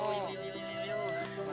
mungkin tidak kita mau mulai